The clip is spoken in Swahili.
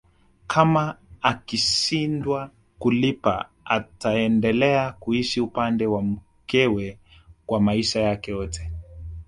Kama akishindwa kulipa ataendelea kuishi upande wa mkewe kwa maisha yake yote